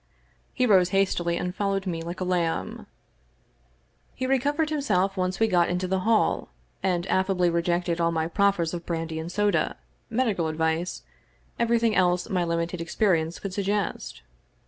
He rose hastily and followed me like a lamb. He recovered himself once we got into the hall, and affably rejected all my proffers of brandy and soda — ^medical advice — everything else my limited experience could sug gest.